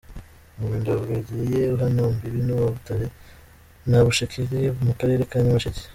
Umurenge wa Bweyeye uhana imbibi n’uwa Butare na Bushekeri mu karere ka Nyamasheke.